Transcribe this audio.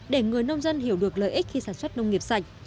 để người nông dân hiểu được lợi ích khi sản xuất nông nghiệp sạch